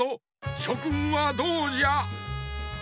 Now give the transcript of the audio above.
しょくんはどうじゃ？